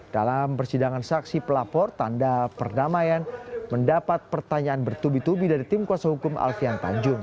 dalam persidangan saksi pelapor tanda perdamaian mendapat pertanyaan bertubi tubi dari tim kuasa hukum alfian tanjung